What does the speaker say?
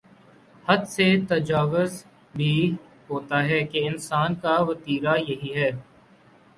حد سے تجاوز بھی ہوتا ہے کہ انسان کا وتیرہ یہی ہے۔